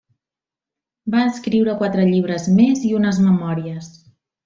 Va escriure quatre llibres més i unes memòries.